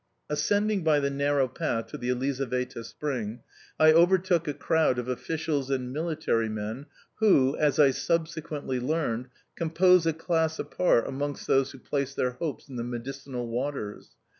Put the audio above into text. Ascending by the narrow path to the Elizaveta spring, I overtook a crowd of officials and military men, who, as I subsequently learned, compose a class apart amongst those who place their hopes in the medicinal waters.